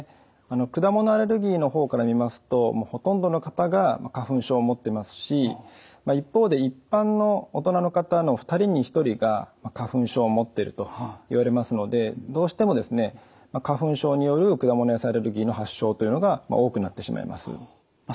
果物アレルギーのほうから見ますとほとんどの方が花粉症を持ってますし一方で一般の大人の方の２人に１人が花粉症を持ってるといわれますのでどうしても花粉症による果物・野菜アレルギーの発症というのが多くなってしまいます。